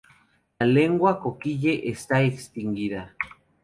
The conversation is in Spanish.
La lengua coquille está extinguida.